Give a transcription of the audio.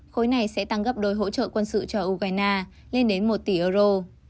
khối này sẽ tăng gấp đôi hỗ trợ quân sự cho ukraine lên đến một tỷ euro